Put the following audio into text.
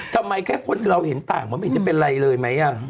ทำไมแค่คนที่เราเห็นต่างมันจะเป็นอะไรเลยไหม